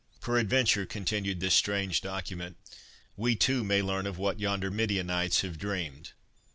Peradventure," continued this strange document, "we too may learn of what yonder Midianites have dreamed."